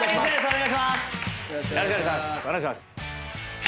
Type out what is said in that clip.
お願いします！